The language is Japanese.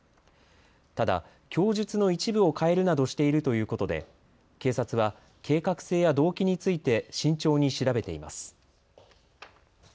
ただ供述の一部を変えるなどしているということで警察は計画性や動機について慎重に調べています。